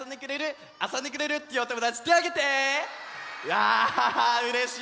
やうれしい！